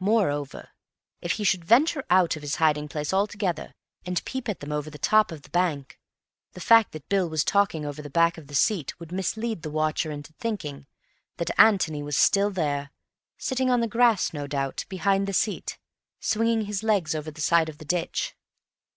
Moreover, if he should venture out of his hiding place altogether and peep at them over the top of the bank, the fact that Bill was talking over the back of the seat would mislead the watcher into thinking that Antony was still there, sitting on the grass, no doubt, behind the seat, swinging his legs over the side of the ditch.